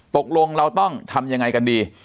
ตกลงเราต้องทำยังไงกันดี